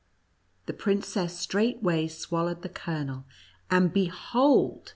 The princess straightway swallowed the kernel, and behold